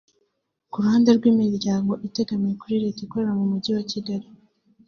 Ku ruhande rw’imiryango itegamiye kuri Leta ikorera mu mujyi wa Kigali